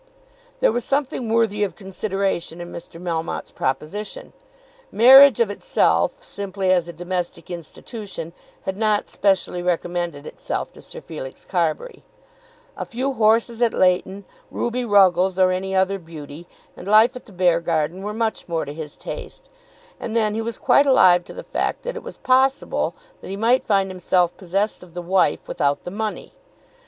There was something worthy of consideration in Mr. Melmotte's proposition. Marriage of itself, simply as a domestic institution, had not specially recommended itself to Sir Felix Carbury. A few horses at Leighton, Ruby Ruggles or any other beauty, and life at the Beargarden were much more to his taste. And then he was quite alive to the fact that it was possible that he might find himself possessed of the wife without the money.